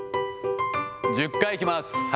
１０回いきます。